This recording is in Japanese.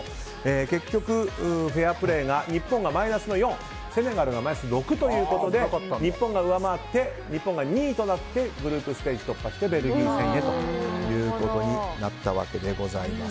結局、フェアプレーポイントが日本がマイナス４セネガルがマイナス６で日本が上回って日本が２位となってグループステージ突破してベルギー戦へということになったわけでございます。